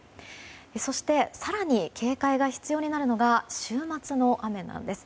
そして、更に警戒が必要になるのが週末の雨です。